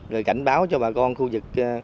rồi cảnh báo cho bà con khu vực